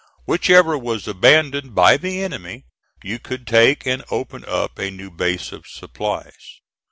Whichever was abandoned by the enemy you could take and open up a new base of supplies.